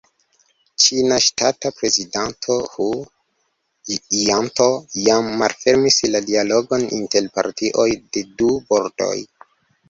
Ĉina ŝtata prezidanto Hu Jintao jam malfermis la dialogon inter partioj de du bordoj.